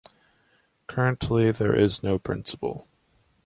Currently there is no principal.